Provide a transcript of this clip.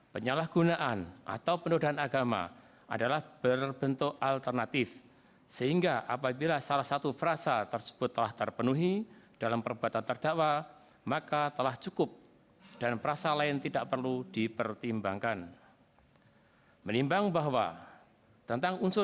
kepulauan seribu kepulauan seribu